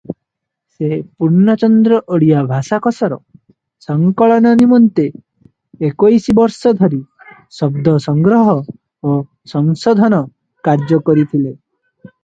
ସେ ପୂର୍ଣ୍ଣଚନ୍ଦ୍ର ଓଡ଼ିଆ ଭାଷାକୋଷର ସଂକଳନ ନିମନ୍ତେ ଏକୋଇଶି ବର୍ଷ ଧରି ଶବ୍ଦ ସଂଗ୍ରହ ଓ ସଂଶୋଧନ କାର୍ଯ୍ୟ କରିଥିଲେ ।